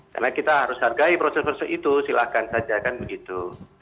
karena kita harus hargai proses proses itu silakan saja kan begitu